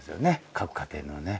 各家庭のね。